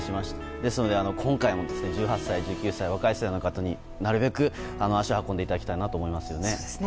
ですので今回も１８歳、１９歳若い世代の方になるべく足を運んでいただきたいと思いますよね。